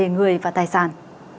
người và tài sản